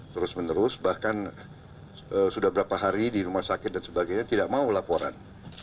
terus menerus bahkan sudah berapa hari di rumah sakit dan sebagainya tidak mau laporan